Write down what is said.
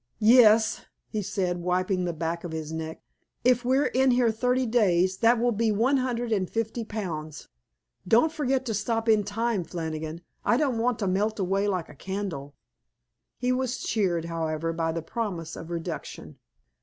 "Yes," he said, wiping the back of his neck. "If we're in here thirty days that will be one hundred and fifty pounds. Don't forget to stop in time, Flannigan. I don't want to melt away like a candle." He was cheered, however, by the promise of reduction.